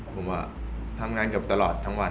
ผมทำงานเกือบตลอดทั้งวัน